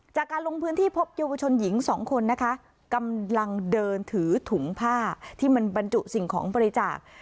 จากการลงพื้นที่พบเยาวชนหญิงสองคนนะคะกำลังเดินถือถุงผ้าที่มันบรรจุสิ่งของบริจาค